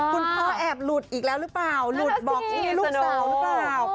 คุณพ่อแอบหลุดอีกแล้วรึเปล่าหลุดบอกที่นี่ลูกสาวรึเปล่า